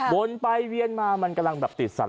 วนไปเวียนมามันกำลังแบบติดสัตว